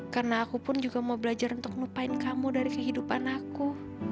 karena aku pun juga mau belajar untuk lupain kamu dari kehidupan aku